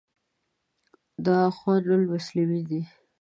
دا اخوان المسلمین ده.